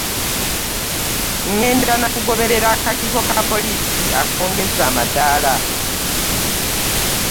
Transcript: Ŋŋenda na kugoberera akakiiko ka poliisi akongeza amadaala.